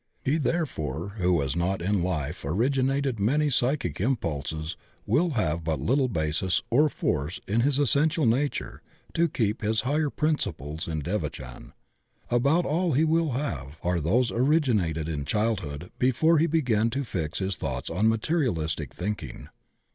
He therefore who has not in Ufe originated many psychic impulses will have but little basis or force in his essential nature to keep his higher prin ciples in devachan. About all he will have are diose originated in childhood before he began to fix his thoughts on materialistic thinking.